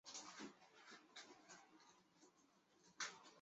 不过这次是移居到了延雪平城城居住。